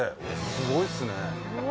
すごいっすね。